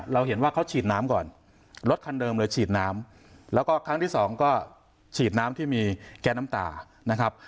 แล้วก็ครั้งที่๒ก็ฉีดน้ำที่มีแก๊สน้ำตานะครับ